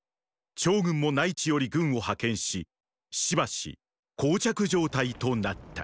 趙軍も内地より軍を派遣ししばし膠着状態となった。